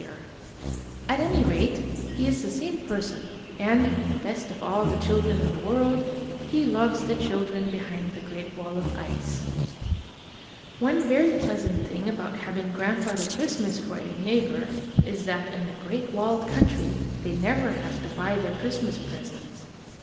At i39 IN THE GREAT WALLED COUNTRY any rate, he is the same person, and, best of all the children in the world, he loves the children behind the great wall of ice. One very pleasant thing about having Grandfather Christmas for a neighbor is that in The Great Walled Country they never have to buy their Christmas presents.